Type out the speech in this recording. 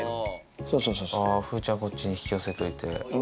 ああ、風ちゃん、こっちに引き寄せといて。